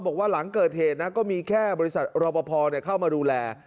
บอกว่าหลังเกิดเหตุนะก็มีแค่บริษัทรอปภเข้ามาดูแล